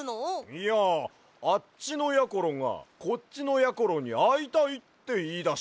いやあっちのやころがこっちのやころにあいたいっていいだしてな。